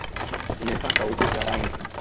Nimepaka ukuta rangi.